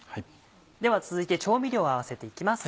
では続いて調味料を合わせて行きます。